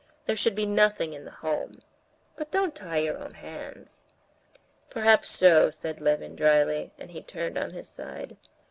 There should be nothing in the home. But don't tie your own hands." "Perhaps so," said Levin dryly, and he turned on his side.